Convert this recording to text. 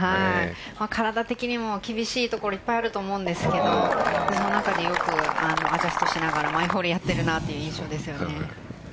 体的にも厳しいところいっぱいあると思うんですけどその中によくアジャストしながら毎ホールやっているなという印象です。